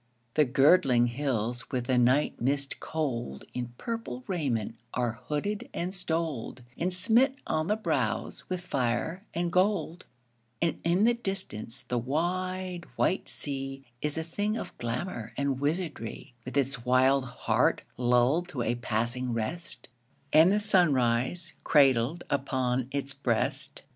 The girdling hills with the night mist cold In purple raiment are hooded and stoled And smit on the brows with fire and gold; And in the distance the wide, white sea Is a thing of glamor and wizardry, With its wild heart lulled to a passing rest, And the sunrise cradled upon its breast.